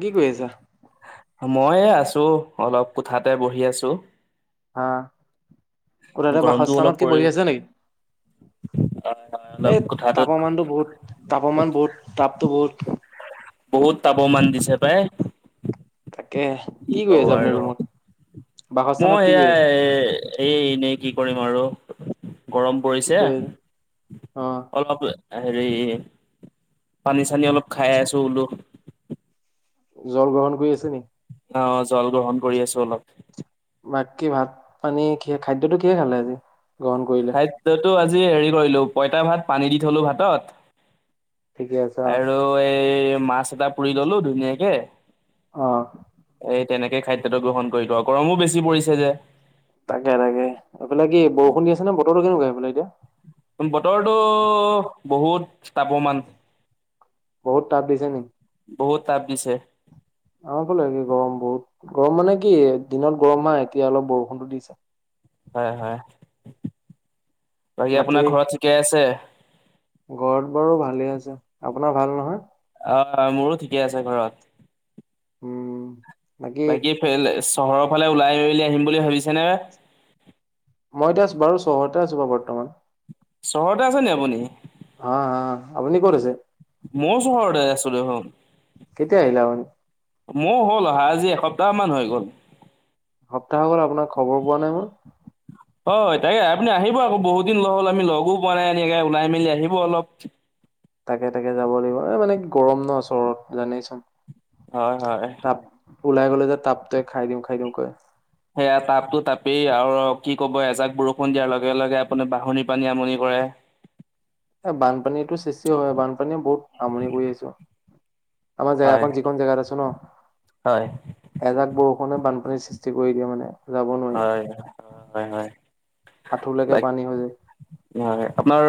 কি কৰি আছা? মই এই আছো অলপ কোঠাতে বহি আছো। আহ, কোঠাতে গৰমটো বাসস্থানত কি বহি আছে নেকি? অ অ। এ তাপামানটো বহুত, তাপামান বহুত, তাততো বহুত বহুত তাপমান দিছে পাই। তাকে কি কৰি কব আছে আপুনি আৰু, ৰুমত? বাসস্থানত মই কি কৰি সেয়া আছে? এ এই এনেই কি কৰিম আৰু গৰম কি পৰিছে কৰি আছে? অ', অলপ হেৰি, পানী-চানী অলপ খাই আছোঁ বোলো। জল গ্ৰহণ কৰি আছে নেকি? অ, জল গ্ৰহণ কৰি আছো অলপ। বাক্কী ভাত পানী কি খাদ্য টো কিহে খালে আজি গ্ৰহণ কৰি খাদ্যতো আজি হেৰি কৰিলো পইতা ভাত পানী দি থলো ভাতত। ঠিকে আছা? ত' এই মাছ এটা পুৰি ললো ধুনীয়াকে। অহ। এই তেনেকে খাদ্যটো গ্ৰহণ কৰিলো আৰু গৰমো বেছি পৰিছে যে। তাকে-তাকে এইফালে কি বৰষুণ দি আছে নে বতৰটো কেনেকুৱা এইফালে এতিয়া? বতৰটো বহুত তাপ'মান। বহুত তাপ দিছে নেকি? বহুত তাপ দিছে। অ বোলো একে গৰম বহুত। গৰম মানে কি দিনত গৰম আ এতিয়া অলপ বৰষুণতো দিছে। হয় হয়, বাকী আপোনাৰ ঘৰত ঠিকে আছে? ঘৰত বাৰু ভালে আছে, আপোনাৰ ভাল নহয়? অ অ, মোৰো ঠিকে আছে ঘৰত। উম বাকী ফেল চহৰৰ ফালে ওলাই মেলি আহিম বুলি ভাবিছে নে? মই এতিয়া বাৰু চহৰতে আছো বাৰু বৰ্তমান। চহৰতে আছেনি আপুনি? অহ অহ, আপুনি ক'ত আছে? ময়ো চহৰতে আছো দেখুন। কেতিয়া আহিলে আপুনি? মোৰ হ'ল আহা আজি এসপ্তাহ মান হৈ গ'ল। এসপ্তাহ হৈ গ'ল আপোনাৰ খবৰ পোৱা নাই মই। হয় হয়, তাকে আপুনি আহিব আকৌ বহুত দিন হ'ল আমি লগো পোৱা নাই এনেকে ওলাই মেলি আহিব অলপ। তাকে-তাকে যাব লাগিব। এ মানে গৰম ন চহৰত জানেইচোন। হয় হয়। তাপ, ওলাই গ'লে যে তাপটোয়ে খাই দিওঁ খাই দিওঁ কৰে। সেয়া তাপতো তাপেই আৰু কি কব এজাক বৰষুণ দিয়াৰ লগে লগে আপুনি বাঢ়নিৰ পানীয়ে আমনি কৰে। এ বানপানী টো সৃষ্টি হয়, বানপানীয়ে বহুত আমনি কৰি। [unintelligible] আমাৰ জেগা হয় কন যিকন জেগাত আছো ন হয় এজাক বৰষুণে বানপানীৰ সৃষ্টি কৰি দিয়ে মানে। যাব নোৱাৰি, হয় হয় হয় আঠুৰলৈকে লাইক পানী হৈ যায়। হয়, আপনাৰ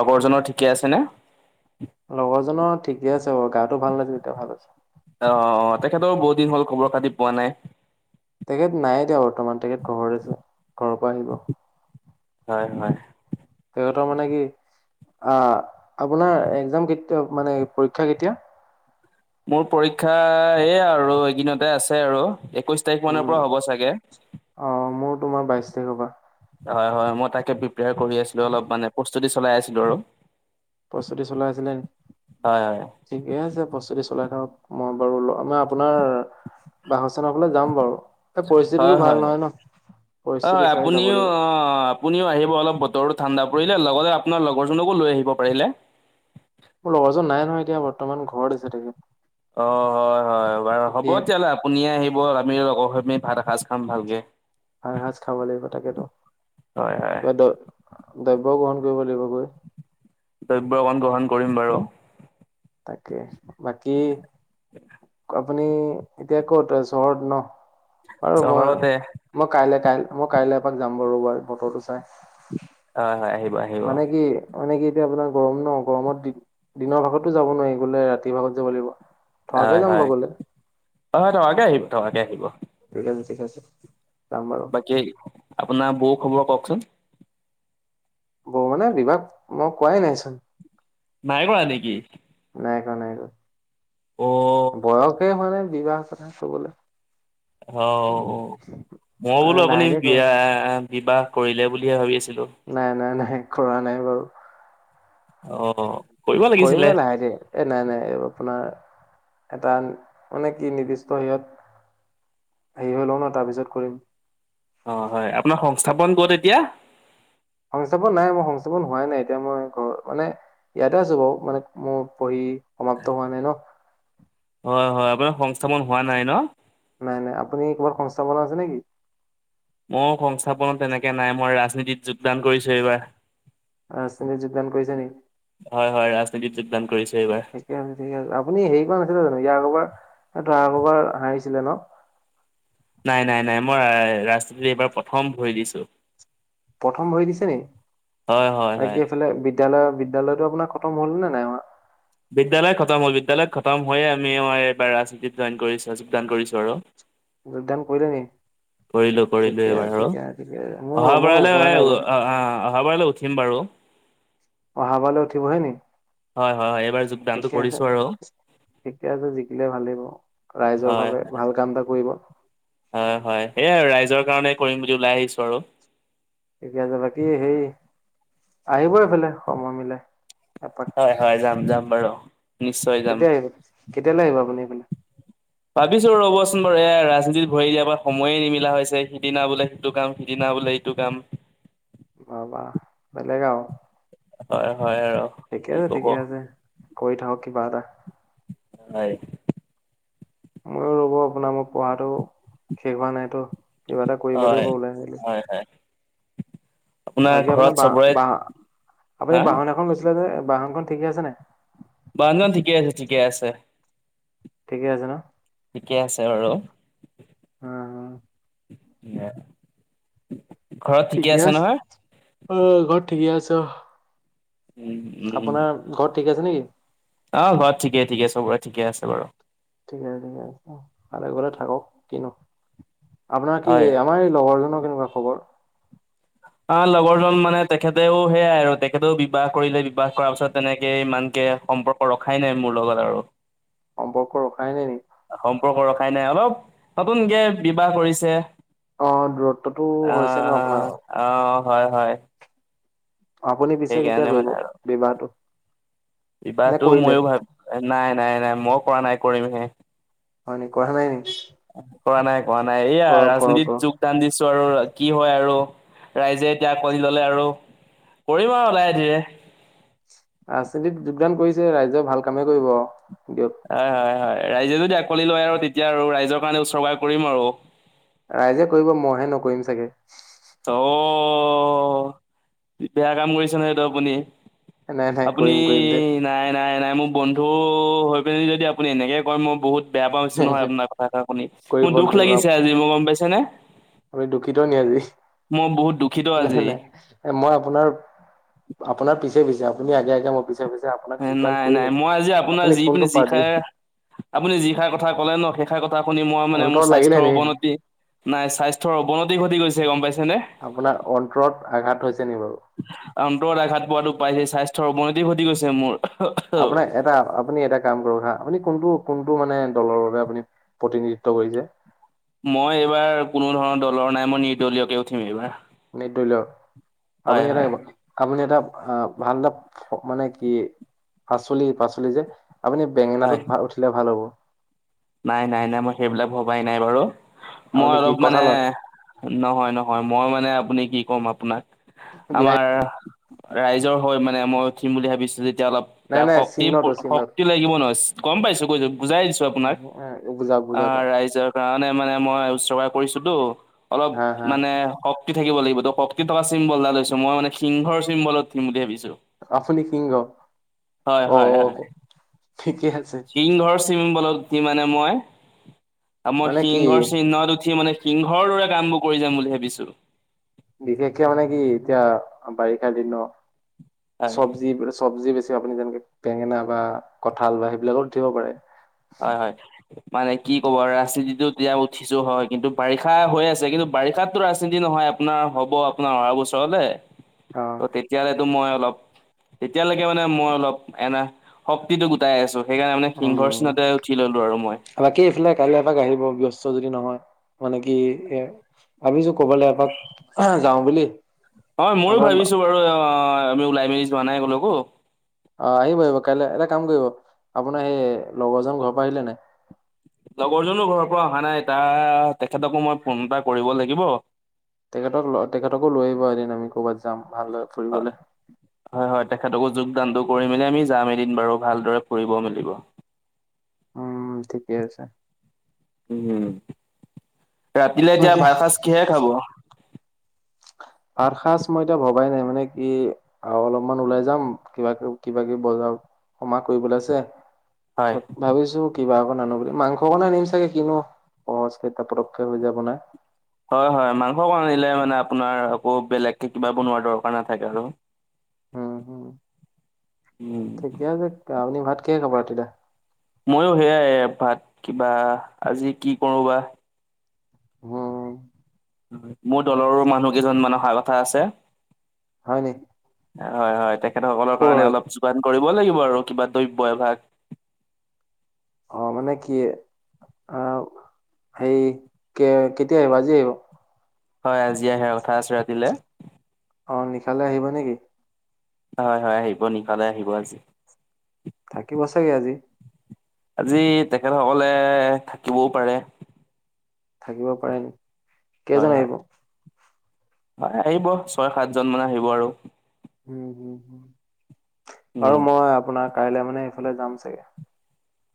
লগৰ জনৰ ঠিকেই আছেনে? লগৰজনৰ ঠিকে আছে বাৰো গাটো ভাল নাছিল এতিয়া ভাল হৈছে। অ অ অ তেখেতৰ বহুত দিন হ'ল খবৰ খাতি পোৱা নাই। তেখেত নাই দিয়া বৰ্তমান তেখেত ঘৰত আছে, ঘৰৰ পৰা আহিব। হয় হয়। তেখেতৰ মানে কি অ আপোনাৰ এক্জাম কেতয়া মানে পৰীক্ষা কেতিয়া? মোৰ পৰীক্ষা এইয়া আৰু এই কেইদিনতে আছে আৰু একৈশ এক তাৰিখ মানৰ উম পৰা হ'ব চাগে? অ' মোৰ তোমাৰ বাইশ তাৰিখৰ পৰা হয়-হয় মই তাকে প্ৰিপায়াৰ কৰি আছিলো অলপ মানে প্ৰস্তুতি চলাই আছিলো আৰু৷ প্ৰস্তুতি চলাই আছিলে নেকি? হয় হয়। ঠিকে আছে প্ৰস্তুতি চলাই থাকক মই বাৰু মই আপোনাৰ বাসস্থানৰ ফালে যাম বাৰু এই হয় পৰিস্থিতিটো হয় ভাল নহয় ন হয় হয় পৰিস্থিতি চাই যাব আপুনিও অ লাগিব৷ আপুনিও আহিব অলপ বতৰতো ঠাণ্ডা পৰিলে লগতে আপোনাৰ লগৰজনকো লৈ আহিব পাৰিলে। মোৰ লগৰজন নাই নহয় এতিয়া বৰ্তমান ঘৰত আছে তেখেত। অ হয় হয় বাৰু হ'ব এতিয়া তেতিয়া হ'লে আপ পুনিয়েই আহিব আমি লগৰ খিনি ভাত এসাঁজ খাম ভালকে। ভাত এসাজ খাব লাগিব তাকেতো হয় হয়। কিবা দ দ্ৰব্য গ্ৰহণ কৰিব লাগিব গৈ। দ্ৰব্য অ গ্ৰহণ কৰিম বাৰু। তাকে বাকী আপুনি এতিয়া কত চহৰত ন বাৰু মই চহৰতে মই কাইলৈ কাই মই কাইলৈ এপাক যাম বাৰো ৰবা বতৰটো চাই। হয় হয় আহিব আহিব মানে হয় কি মানে কি এতিয়া আপোনাৰ গৰম ন গৰমত দি দিনৰ ভাগত তো যাব নোৱাৰি গলে ৰাতিৰ ভাগত যাব লাগিব৷ থকাকে যাম বাৰু হয়-হয় গ'লে অহ হয় থকাকে আহিব থকাকে আহিব৷ ঠিকে আছে ঠিকে যাম বাৰু৷ কেই আপোনাৰ বৌ খবৰ কওঁকচোন? বৌ মানে বিবাহ মই কোৱাই নাইচোন৷ নাই কৰা নেকি? নাই কৰা নাই কৰা৷ অহ বয়সে হোৱা নাই বিবাহ কথা কবলে৷ অঁহ মই মানে বোলো আপুনি লাহে ধীৰে কৰিম বিয়া বিবাহ কৰিলে বুলিহে ভাবি আছিলোঁ৷ নাই-নাই-নাই কৰা নাই বাৰু৷ অহ কৰিম লাহে ধীৰে৷ এই নাই নাই এই আপোনাৰ এটা মানে কি নিৰ্দিষ্ট হেৰিত হেৰি হৈ লওঁ ন তাৰপিছত কৰিম৷ অঁহ হয় আপোনাৰ সংস্থাপন ক'ত এতিয়া? সংস্থাপন নাই মই সংস্থাপন হোৱাই নাই এতিয়া মই ঘৰ মানে ইয়াতে আছো বাৰু মানে মোৰ পঢ়ি সমাপ্ত হোৱা নাই ন? হয় হয় আপোনাৰ সংস্থাপন হোৱা নাই ন? নাই নাই আপুনি কবাত সংস্থাপন আছে নে কি? ময়ো সংস্থাপনত তেনেকৈ নাই মই ৰাজনীতিত যোগদান কৰিছোঁ এইবাৰ৷ ৰাজনীতিত যোগদান কৰিছে নেকি হয়-হয় ৰাজনীতিত যোগদান কৰিছে এইবাৰ৷ ঠিকে আছে আপুনি হেৰি কৰা নাছিলে জানো ইয়াৰ আগৰ বাৰ হাৰিছিলে ন? নাই-নাই-নাই মই ৰাজনীতি এইবাৰ প্ৰথম ভৰি দিছোঁ৷ প্ৰথম ভৰি দিছে নি হয় হয় হয় বাকী এইফালে বিদ্যালয় বিদ্যলয়তো আপোনাৰ খতম হল নে নাই হোৱা? বিদ্যালয় খতম হ'ল বিদ্যালয়ত খতম হৈয়ে আমি আমাৰ এইবাৰ ৰাজনীতিত জৈন কৰিছোঁ যোগদান কৰিছোঁ আৰু৷ যোগদান কৰিলে নি? কৰিলো-কৰিলো ঠিকে এইবাৰ আৰু ঠিকে ঠিকে মোৰ অহা মোৰ বাৰলে হোৱা নাই অহ বাৰু অহ অহা বাৰ লৈ উঠিম বাৰু৷ অহা বাৰলে উঠিবহে নি? হয়-হয়-হয় এইবাৰ যোগদানটো ঠিকে কৰিছো আছে আৰু৷ ঠিকে আছে জিকিলে ভাল বাওঁ ৰাইজৰ ভাৱে ভাল কাম এটা কৰিব৷ হয়-হয় সেইয়াই আৰু ৰাইজৰ কাৰণে কৰিম বুলি ওলাই আহিছো আৰু৷ ঠিকে আছে বাকী সেই আহিব এইফালে সময় মিলাই এপাক৷ হয়-হয় যাম-যাম বাৰু৷ নিশ্চয় যাম কেতিয়া আহিব কেতিয়ালৈ আহিব আপুনি এইপিনে? ভাবিছো ৰ'বচোন বাৰু এয়া ৰাজনীতিত ভৰি দিয়াৰ পৰা সময়ে নিমিলা হৈছে সিদিনা বোলে সিটো কাম সিদিনা বোলে, টো কাম, বা বাহ বেলেগ আও, হয় হয় আৰু ঠিকে কি আছে ক'ব ঠিকে আছে কৈ থাক কিবা এটা৷ হয় ময়ো ৰ'ব আপোনাৰ মোৰ পঢ়াটো শেষ হোৱা নাইতো কিবা এটা কৰিব হয় লাগিব ওলাই মেলি৷ হয় হয় বাকী ঘৰত আপোনাৰ বাহ চবৰে বাহ আপুনি হা বাহন এখন গৈছিলে যে বাহনখন ঠিকে আছে নাই। বাহন খন ঠিকে আছে ঠিকে আছে। ঠিকে আছে ন। ঠিকেই আছে বাৰু উম কি হে, ঠিকে আছে অ ঘৰত ঠিকে আছে। উম উম আপোনাৰ ঘৰত ঠিক আছে নেকি। অ ঘৰত ঠিকেই ঠিকে চবৰে ঠিকে আছে বাৰু ঠিক আছে ঠিকে আছে অ ভালে কোখলে থাক কি নো। আপোনাৰ কি হয় আমাৰ এই লগৰজনৰ কেনেকুৱা খবৰ। অ লগৰজন মানে তেখেতেও সেয়াই আৰু তেখেতেও বিবাহ কৰিলে বিবাহ কৰাৰ পিছত তেনেকে ইমানকে সম্পৰ্ক। ৰখাই নাই মোৰ লগত আৰু সম্পৰ্ক ৰখাই নাই নেকি। সম্পৰ্ক ৰখাই নাই অলপ নতুনকে বিবাহ কৰিছে। অ দূৰত্বটো হৈছে ন আপোনাৰ। অ হয় হয়। আপুনি পিছে কেতিয়া সেইকাৰণে কৰিব বিবাহটো। বিবাহ নে টো কৰিলে মইয়ো ভাবিম নাই নাই নাই মই কৰা নাই কৰিম হে। হয় নি কৰা নাই নি। কৰা নাই কৰা নাই এইয়া কৰক কৰক ৰাজনীতিৰ কৰক যুগ, দান দিছো আৰু কি হয় আৰু ৰাইজে এতিয়া আকোৱালি ললে আৰু কৰি়ম আৰু লাহে ধীৰে। ৰাজনীতিত যোগদান কৰিছে ৰাইজেও ভাল কামেই কৰিব দিয়ক। হয় হয় হয় ৰাইজে যদি আকোৱি লয় আৰু তেতিয়া আৰু ৰাইজৰ কাৰণে উচৰ্গা কৰিম আৰু ৰাইজে কৰিব মইহে নকৰিম চাগে। অ বেয়া কাম কৰিছে নহয় এইটো আপুনি। নাই নাই আপুনি কৰিম কৰিম ধেত নাই নাই নাই মোৰ বন্ধু হৈ পিনি যদি আপুনি এনেকে কয় মই বহুত, বেয়া পাওঁছো নাই নহয় নাই আপোনাৰ কথা ষাৰ শুনি কৰিব মোৰ দুখ লাগিব লাগিছে আজি মোৰ গম পাইছে নে। আপুনি দুখিত নি আজি মই বহুত দুখিত নাই আজি নাই। এ মই আপোনাৰ আপোনাৰ পিছে পিছে আপুনি আগে আগে মই পিছে পিছে, আপোনাক যোগদান নাই নাই কৰিমেই মই আজি আপোনাৰ আপুনি যি কোনটো পিনি যি পাৰ্টি খাই, আপুনি যি খাৰ কথা ক'লে ন সেই খাৰ কথা শুনি মই মানে মোৰ অন্তৰত লাগিলে স্বাস্থ্যৰ নি অৱনতি। নাই স্বাস্থ্যৰ অৱনতি ঘটি গৈছে গম পাইছে নে। আপোনাৰ অন্তৰত আঘাত হৈছে নি বাৰু অন্তৰত আঘাত পোৱাতো পাইছে স্বাস্থ্যৰ অৱনতি ঘটি গৈছে মোৰ। আপোনাৰ এটা আপুনি এটা। কাম কৰক হা আপুনি কোনটো কোনটো মানে দলৰ বাবে আপুনি প্ৰতিনিধিত্ব কৰিছে। মই এইবাৰ কোনো ধৰণৰ দলৰ নাই মই নিৰ্দলীয়কে উঠিম এইবাৰ। নিদলিয় হয় আপুনি এটা হয় আপুনি এটা অ, ভাল এটা মানে কি পাচলি -পাচলি যে আপুনি বেঙেনাটোত হয় ভাল উঠিলে ভাল হ'ব। নাই, নাই, নাই মই সেইবিলাক ভবাই নাই বাৰু মই আপুনি কি অলপ মানে কঁঠালত নহয়- নহয় মই মানে আপুনি কি ক'ম আপোনাক, বিলাহী আমাৰ ৰাইজৰ হয় মানে মই উঠিম বুলি ভাবিছো যেতিয়া অলপ নাই গাত নাই শক্তি চিহ্নটো চিহ্নত শক্তি লাগিব নহয় গম পাইছো কৈছো বুজাই দিছো আপোনাক। [unintelligible] অ ৰাইজৰ কাৰণে মানে মই উচৰ্গা কৰিছোতো হা অলপ হা মানে, শক্তি থাকিব লাগিব ত শক্তি থকা চিম্বল এটা লৈ মই মানে সিংহৰ চিম্বলত উঠিম বুলি ভাবিছো। আপুনি সিংহ হয় অ হয় হয় ঠিকে আছে। সিংহৰ চিম্বলত উঠি মানে মই, আ মই মানে কি সিংহৰ চিহ্নত উঠি মানে সিংহৰ দৰে কাম বোৰ কৰি যাম বুলি ভাবিছো বিশেষকে মানে কি এতিয়া বাৰিষা দিন ন হয় চব্জি- চব্জি বেছি আপুনি যেনেকে বেঙেনা বা কঁঠাল বা, সেইবিলাকত উঠিব পাৰে হয়, হয়। মানে কি ক'ব ৰাজনীতিতটো এতিয়া উঠিছো হয়, কিন্তু বাৰিষা হৈ আছে কিন্তু বাৰিষাততো ৰাজনীতি নহয়। আপোনাৰ হ'ব আপোনাৰ অহা বছৰলে ত, অ'। তেতিয়াহলে মই অলপ, তেতিয়ালৈকে মানে মই অলপ এনা শক্তি- ক্তিটো গোটাই আছো সেইকাৰণে সিংহৰ উম চিনতে উঠি ললো আৰু মই। বাকী এইফালে কাইলৈ এপাক আহিব ব্যস্ত যদি নহয়, মানে কি এ ভাবিছো ক'বাল এপাক যাওঁ বুলি। হয় ময়ো আপোনাৰ ভাবিছোঁ বাৰু অ আমি ওলাই মেলি যোৱা নাই কলৈকো অ, আহিব আহিব কাইলৈ- এটা কাম কৰিব আপোনাৰ সেই লগৰজন ঘৰ পৰা আহিলে নাই? লগৰজনো ঘৰৰ পৰা অহা নাই এ তা তেখেতকো মই ফোন এটা কৰিব লাগিব তেখেতক ল তেখেতকো লৈ আহিব এদিন আমি কৰ'বাত যাম ভাল অ। হয়, হয় তেখেতকো যোগদানটো কৰি মেলি আমি যাম এদিন বাৰু ভালদৰে ফুৰিব মেলিব। উম, ঠিকে আছে। উম, ৰাতিলে এতিয়া বাকী ভাত সাজ কিহেৰে খাব? ভাত সাজ মই এতিয়া ভবাই নাই মানে কি? আৰু অলপমান ওলাই যাম কিবা কিবা কিবি বজাৰ সমাৰ কৰিবলৈ আছে। হয়, ভাবিছো। কিবা অকণ আনো বুলি মাংসকণে আনিম চাগে কিনো সহজ কেইটা পতক কে হৈ যায় বনাই। হয়, হয় মাংসকন আনিলে মানে আপোনাৰ আকৌ বেলেগকে কিবা বনোৱাৰ দৰকাৰ নাথাকে আৰু উম, হম, উম, ঠিকে আছে আপুনি ভাত কিহে খাব ৰাতি লে? মইও সেয়াই ভাত কিবা আজি কি কৰো বা উম। মোৰ দলৰো মানুহ কেইজন মানে অহা কথা আছে হয় নেকি। হয়, হয় তেখেত সকলৰ কাৰণে অলপ যোগান কৰিব লাগিব আৰু কিবা দ্ৰব্য এভাগ। অ, মানে কি, আ, হেই কে কেতিয়া আহিব আজি আহিব? হয়, আজি আহা কথা আছে ৰাতিলে। অঁ, নিশালৈ আহিব নেকি? হয়, হয় আহিব নিশালে আহিব আজি। থাকিব চাগে আজি। আজি তেখেত সকলে থাকিবও পাৰে। থাকিব পাৰে নেকি? হয়, হয়, হয় আহিব ছয় সাতজন মান আহিব আৰু। উম, হম, উম, বাৰু মই আপোনাৰ কাইলে মানে সেইফালে যাম চাগে।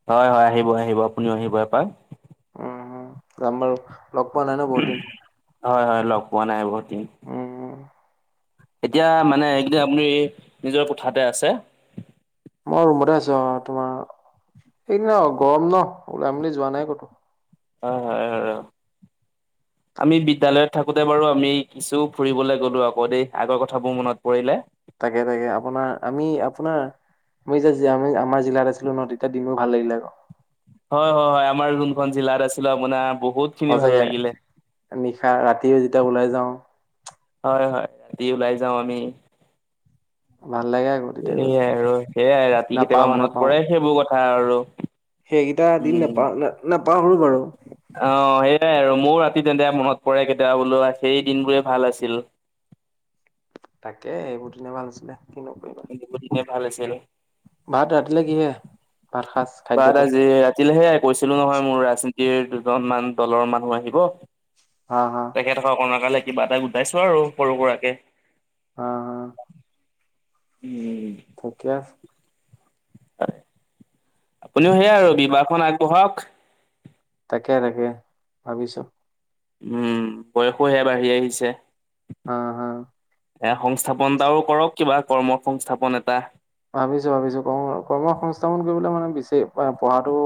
হয়, হয় আহিব -আহিব আপুনিও আহিব এপাক উম যাম বাৰো লগ পোৱা নাই ন বহুত দিন। হয় হয় লগ পোৱা নাই বহুত দিন। উম এতিয়া মানে এইদিন আপুনি নিজৰ কোঠাতে আছে। মই ৰুমতে আছো অ তোমাৰ এইদিনা গৰম ন ওলাই মেলি যোৱা নাই কতো। অ, হয় হয়। [inaudible] আমি বিদ্যালয়ত থাকোতে বাৰু আমি কিছু ফুৰিবলৈ গলো আকৌ দেই, আগৰ কথাবোৰ মনত পৰিলে তাকে তাকে আপোনাৰ আমি আপোনাৰ মই যে আমাৰ জিলাত আছিলো নহয় তেতিয়া দিনো ভাল লাগিলে আক। হয়, হয়, হয় আমাৰ যোনখন জিলাত আছিলো আপোনাৰ বহুত খিনি ভাল সচাগে লাগিলে নিশা ৰাতিও যেতিয়া ওলাই যাওঁ। হয়, হয় ৰাতি ওলাই যাওঁ আমি। ভাল লাগে আৰু সেৱাই আৰু সেইয়াই ৰাতি কেতিয়াবা মনত নাপাওঁ পৰে সেইবোৰ কথা আৰু সেইকেইটা উম দিন নাপাওঁ ন নাপাহৰো বাৰু অ সেইয়াই আৰু মোৰ ৰাতি তেন্তে মনত পৰে কেতিয়াবা বোলো সেই দিন বোৰে ভাল আছিল। তাকে এইবোৰ দিনে ভাল আছিলে কি নো কৰিম। বহু দিনে ভাল আছিল। ভাত ৰান্ধিলে কিহে ভাত সাজ। ব খাদ্যটো আজি ৰাতিলেহে কৈছিলো নহয় মোৰ ৰাজনীতিৰ দুজন মান দলৰ মানুহ আহিব। হা হা। তেখেত কণ কালে কিবা এটা গোটাইছো আৰু সৰু হোৰাকে। হম হম। ওম, [unintelligible] আপুনিও সেয়াই আৰু বিবাহখন আগবঢ়াক। তাকে তাকে ভাবিছো। উম বয়সো সেয়া বাঢ়ি আহিছে। হা হা, এ সংস্থাপনটাও কৰক কিবা কৰ্ম সংস্থাপন এটা। ভাবিছো ভাবিছো ক কৰ্ম সংস্থাপন কৰিবলৈ মানে বেছি পঢ়াটো।